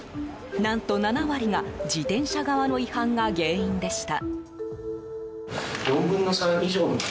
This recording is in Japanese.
何と、７割が自転車側の違反が原因でした。